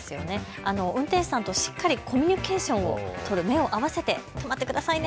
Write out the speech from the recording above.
運転手さんとしっかりコミュニケーションを取る、目を合わせて止まってくださいね。